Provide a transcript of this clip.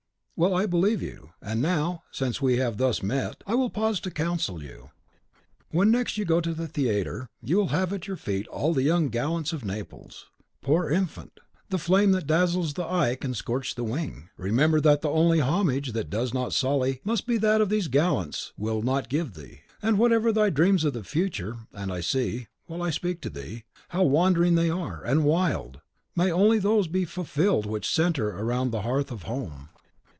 "Well, I believe you. And now, since we have thus met, I will pause to counsel you. When next you go to the theatre, you will have at your feet all the young gallants of Naples. Poor infant! the flame that dazzles the eye can scorch the wing. Remember that the only homage that does not sully must be that which these gallants will not give thee. And whatever thy dreams of the future, and I see, while I speak to thee, how wandering they are, and wild, may only those be fulfilled which centre round the hearth of home."